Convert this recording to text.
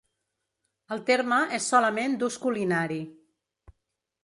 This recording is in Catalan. El terme és solament d'ús culinari.